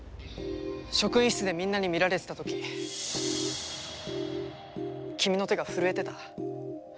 職員室でみんなに見られてた時君の手が震えてた。